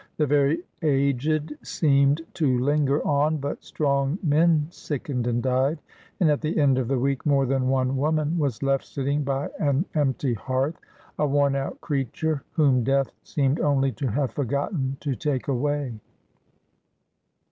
The very aged seemed to linger on, but strong men sickened and died; and at the end of the week more than one woman was left sitting by an empty hearth, a worn out creature whom Death seemed only to have forgotten to take away.